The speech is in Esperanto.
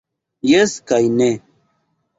Jes kaj ne.